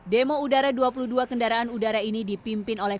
demo udara dua puluh dua kendaraan udara ini dipimpin oleh